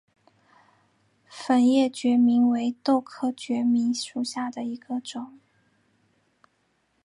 粉叶决明为豆科决明属下的一个种。